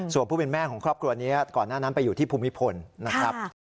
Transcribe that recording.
ส่วนผู้เป็นแม่ของครอบครัวนี้ก่อนหน้านั้นไปอยู่ที่ภูมิพลนะครับ